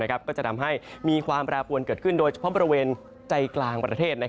ก็จะทำให้มีความแปรปวนเกิดขึ้นโดยเฉพาะบริเวณใจกลางประเทศ